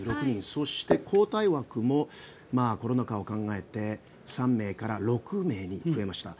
そして交代枠もコロナ禍を考えて３名から６名に増えました。